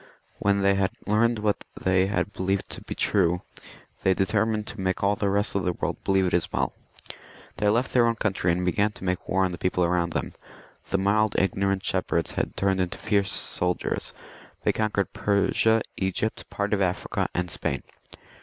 When they had learned what they believed to be true, they determined to make all the rest of the world believe it as well. They left their own country and began to make war on the people round. The mild ignorant shepherds had turned into fierce soldiers ; they conquered Persia, Egypt, part of Africa, Spain.